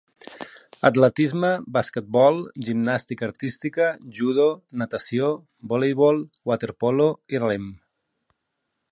Atletisme, Basquetbol, Gimnàstica artística, Judo, Natació, Voleibol, Waterpolo i Rem.